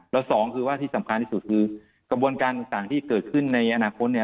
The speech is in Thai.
แล้วสองคือว่าที่สำคัญที่สุดคือกระบวนการต่างที่เกิดขึ้นในอนาคตเนี่ย